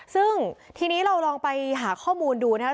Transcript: ซึ่งทีนี้เราลองไปหาข้อมูลดูนะครับ